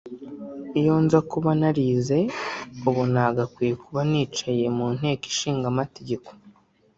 Iyo nza kuba narize ubu nagakwiye kuba nicaye mu Nteko Ishinga amategeko